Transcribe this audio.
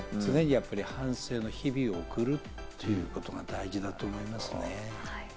常に反省の日々を送るということが大事だと思いますね。